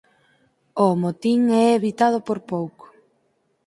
O motín é evitado por pouco.